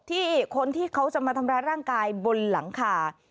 ที่คนที่เขาจะมาทำร้ายร่างกายบนหลังคา